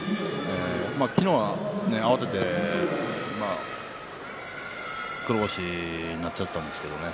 昨日は慌てて黒星になっちゃったんですけどね。